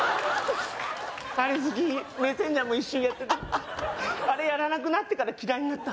あれ好きメッセンジャーも一瞬やってたあれやらなくなってから嫌いになった